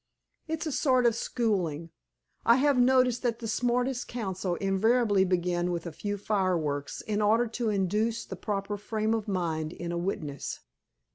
"It's a sort of schooling. I have noticed that the smartest counsel invariably begin with a few fireworks in order to induce the proper frame of mind in a witness."